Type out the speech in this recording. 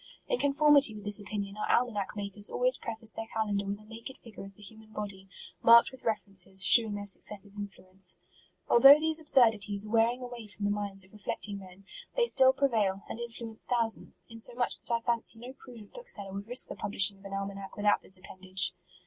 In conformity with this opinion, our almanac makers always preface their calendar with a naked figure of the human body, marked with references, shewing their successive influence. Although these absurdities ire wearing a way from the minds of reflecting men, they still prevail, and influence thousands, inso much that I fancy no prudent bookseller would risk the publishing of an almanac with out this appendage.